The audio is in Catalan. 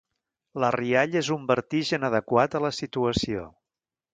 La rialla és un vertigen adequat a la situació.